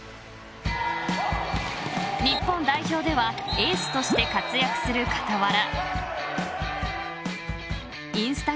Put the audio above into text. ［日本代表ではエースとして活躍する傍ら］